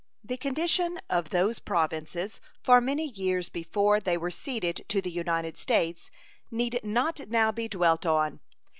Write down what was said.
The condition of those Provinces for many years before they were ceded to the United States need not now be dwelt on.